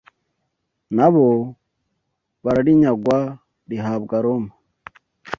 nabo bararinyagwa rihabwa Roma